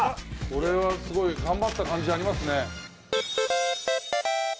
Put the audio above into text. これはすごい頑張った感じありますね